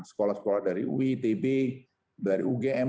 sekolah sekolah dari ui tb dari ugm